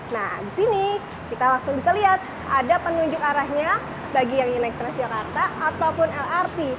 nah di sini kita langsung bisa lihat ada penunjuk arahnya bagi yang ingin naik transjakarta ataupun lrt